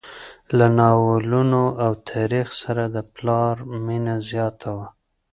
له ناولونو او تاریخ سره د پلار مینه زیاته وه.